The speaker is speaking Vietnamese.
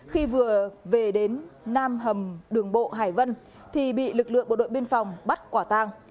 khi vừa về đến nam hầm đường bộ hải vân thì bị lực lượng bộ đội biên phòng bắt quả tang